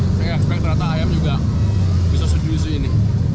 saya nggak ekspek ternyata ayam juga bisa sedius ini